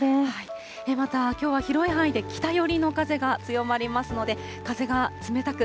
またきょうは広い範囲で北寄りの風が強まりますので、風が冷たく、